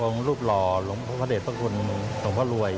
องค์รูปรอหลวงพระเทศพระคุณหลวงพ่อรวย